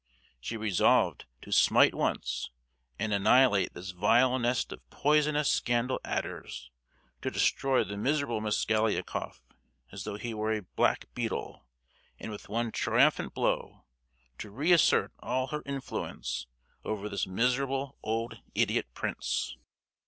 She resolved to smite once, and annihilate this vile nest of poisonous scandal adders: to destroy the miserable Mosgliakoff, as though he were a blackbeetle, and with one triumphant blow to reassert all her influence over this miserable old idiot prince!